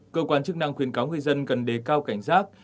cơ quan chức năng khuyên cáo người dân cần đề cao cảnh giác